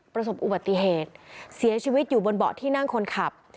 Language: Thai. ประสบอุบัติเหตุเสียชีวิตอยู่บนเบาะที่นั่งคนขับ